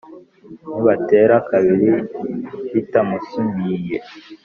Ntibatera kabiri ritamusumiye.